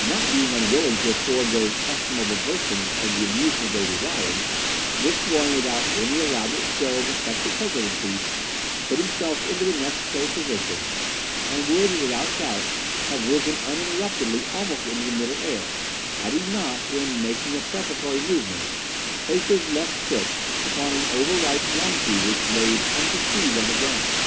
Not being unwilling to afford those estimable persons of the amusement they desired, this one, without any elaborate show of affected hesitancy, put himself into the necessary position, and would without doubt have risen uninterruptedly almost into the Middle Air, had he not, in making the preparatory movements, placed his left foot upon an over ripe wampee which lay unperceived on the ground.